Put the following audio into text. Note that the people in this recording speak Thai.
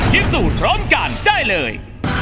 คิดสู้ร้องกันได้เลย